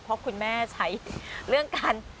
เพราะคุณแม่ใช้เรื่องการ